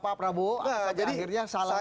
pak prabowo akhirnya salah